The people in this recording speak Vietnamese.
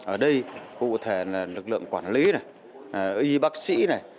ở đây cụ thể là lực lượng quản lý này y bác sĩ này